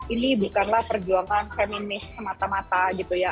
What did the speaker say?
ini bukanlah perjuangan feminis semata mata gitu ya